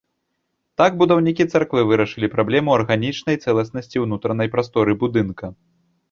Так будаўнікі царквы вырашалі праблему арганічнай цэласнасці ўнутранай прасторы будынка.